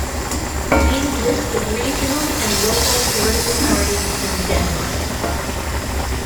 See List of regional and local political parties in Denmark.